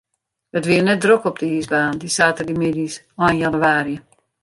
It wie net drok op de iisbaan, dy saterdeitemiddeis ein jannewaarje.